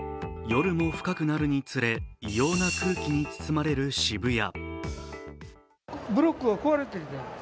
夜も深くなるにつれ、異様な空気に包まれる渋谷。